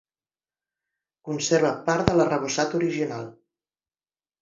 Conserva part de l'arrebossat original.